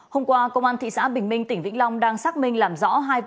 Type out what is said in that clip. hôm qua công an thị xã bình minh tỉnh vĩnh long đang xác minh làm rõ vụ